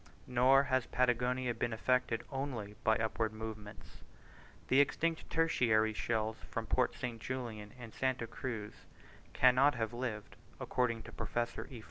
Nor has Patagonia been affected only by upward movements: the extinct tertiary shells from Port St. Julian and Santa Cruz cannot have lived, according to Professor E.